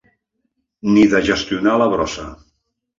Ni de gestionar la brossa.